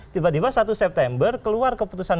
tiba tiba satu september keluar keputusan